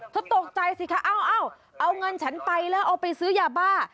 ตกใจสิคะเอ้าเอาเงินฉันไปแล้วเอาไปซื้อยาบ้า